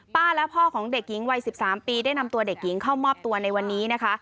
และพ่อของเด็กหญิงวัย๑๓ปีได้นำตัวเด็กหญิงเข้ามอบตัวในวันนี้นะคะ